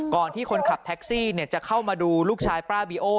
ที่คนขับแท็กซี่จะเข้ามาดูลูกชายป้าบีโอ